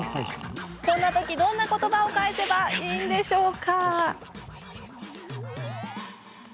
こんな時、どんな言葉を返せばいいんでしょう？